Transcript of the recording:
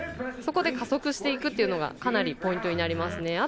そこで加速していくのがかなりポイントになりますね。